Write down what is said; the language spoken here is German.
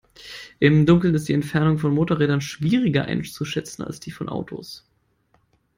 Im Dunkeln ist die Entfernung von Motorrädern schwieriger einzuschätzen, als die von Autos.